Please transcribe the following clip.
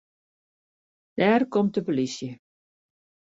Dêr komt de polysje.